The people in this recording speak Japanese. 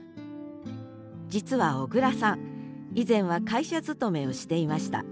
実は小椋さん以前は会社勤めをしていました。